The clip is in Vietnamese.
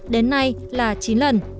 đến nay là chín lần